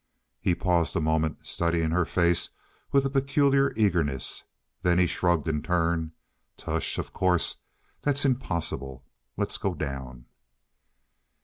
He paused a moment, studying her face with a peculiar eagerness. Then he shrugged in turn. "Tush! Of course, that's impossible. Let's go down."